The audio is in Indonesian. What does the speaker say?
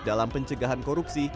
dalam pencegahan korupsi